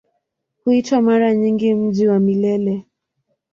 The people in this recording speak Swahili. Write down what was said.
Huitwa mara nyingi "Mji wa Milele".